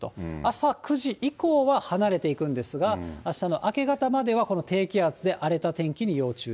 朝９時以降は離れていくんですが、あしたの明け方までは、この低気圧で荒れた天気に要注意。